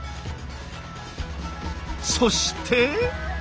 そして。